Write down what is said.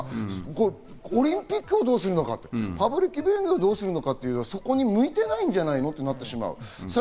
オリンピックをどうするのか、パブリックビューイングをどうするのか、そこに向いてないんじゃないの？と思ってしまう。